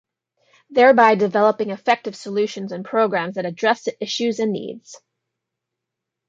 Thereby developing effective solutions and programs that address the issues and needs.